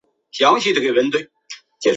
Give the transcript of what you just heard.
多家商铺和学校赶在风暴来袭前关闭。